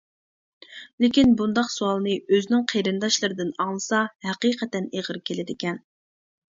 لېكىن بۇنداق سوئالنى ئۆزىنىڭ قېرىنداشلىرىدىن ئاڭلىسا ھەقىقەتەن ئېغىر كېلىدىكەن.